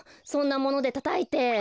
そんなものでたたいて。